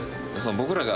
僕らが。